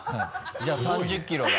じゃあ３０キロだ